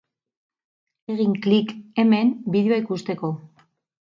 Egin klik hemen bideoa ikusteko!